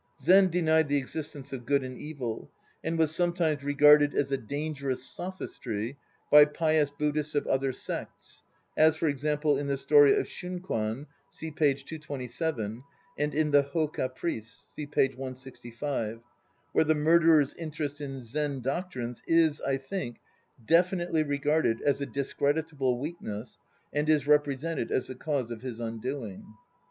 Zen denied the existence of Good and Evil, and was sometimes regarded as a dangerous sophistry by pious Buddhists of other sects, as, for example, in the story of Shunkwan (see p. 227) and in The Hdka Priests (see p. 165), where the murderer's interest in Zen doc trines is, I think, definitely regarded as a discreditable weakness and is represented as the cause of his undoing.